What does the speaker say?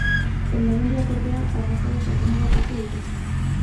Hondamendiak, ordea, arrakala sakonagoak utzi ditu.